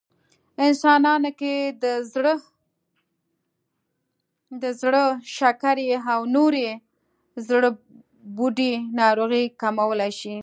انسانانو کې د زړه، شکرې او نورې د زړبوډۍ ناروغۍ کمولی شي